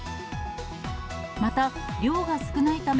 また、量が少ないため、